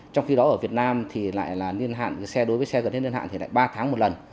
trong khi đó ở việt nam thì lại là niên hạn xe đối với xe gần hết niên hạn thì lại ba tháng một lần